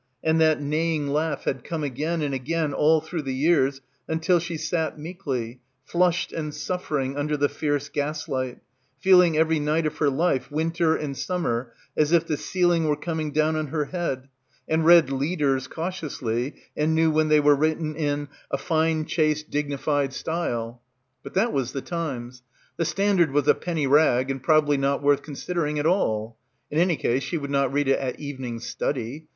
And that neighing laugh had come again and again all through the years until she sat meekly, flushed and suffering under the fierce gaslight, feel ing every night of her life winter and summer as if the ceiling were coming down on her head, and read "leaders" cautiously, and knew when they — 91 — PILGRIMAGE were written in "a fine chaste dignified style." But that was "The Times." "The Standard" was a penny rag and probably not worth consider* ing at all. In any case she would not read it at evening study.